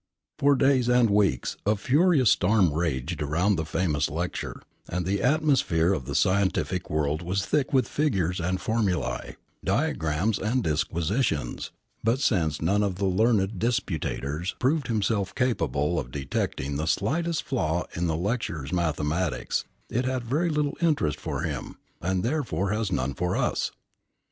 For days and weeks a furious storm raged round the famous lecture, and the atmosphere of the scientific world was thick with figures and formulæ, diagrams and disquisitions; but since none of the learned disputators proved himself capable of detecting the slightest flaw in the lecturer's mathematics, it had very little interest for him, and therefore has none for us.